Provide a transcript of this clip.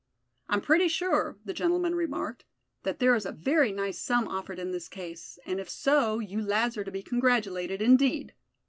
"I'm pretty sure," the gentleman remarked, "that there is a very nice sum offered in this case; and if so, you lads are to be congratulated indeed."